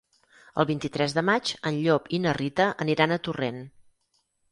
El vint-i-tres de maig en Llop i na Rita aniran a Torrent.